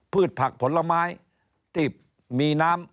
ผักผลไม้ที่มีน้ำ